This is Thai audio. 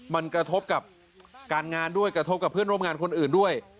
มันกระทบกับการงานด้วยกระทบกับเพื่อนร่วมงานคนอื่นด้วย